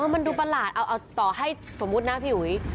มันดูประหลาดเอาต่อให้สมมุตินะพี่อุ๋ย